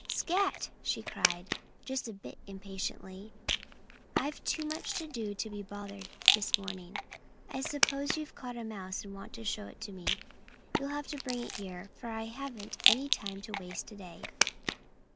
"Scat!" she cried, just a bit impatiently. "I've too much to do to be bothered this morning. I suppose you've caught a mouse and want to show it to me. You'll have to bring it here, for I haven't any time to waste to day."